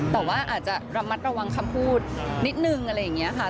แต่ว่าอาจจะระมัดระวังคำพูดนิดนึงอะไรอย่างนี้ค่ะ